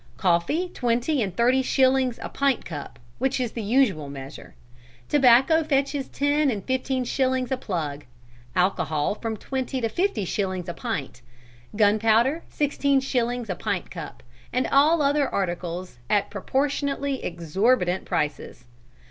Coffee twenty and thirty shillings a pint cup, which is the usual measure; tobacco fetches ten and fifteen shillings a plug; alcohol from twenty to fifty shillings a pint; gunpowder sixteen shillings a pint cup, and all other articles at proportionately exhorbitant prices.